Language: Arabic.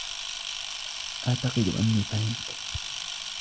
أعتقد أني فهمت.